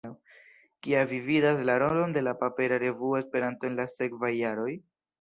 Kia vi vidas la rolon de la papera revuo Esperanto en la sekvaj jaroj?